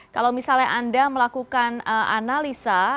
kalau misalnya anda melakukan analisa